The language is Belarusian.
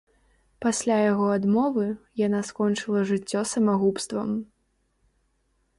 Пасля яго адмовы, яна скончыла жыццё самагубствам.